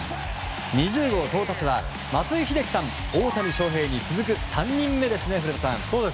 ２０号到達は松井秀喜さん、大谷翔平に続く３人目ですね、古田さん。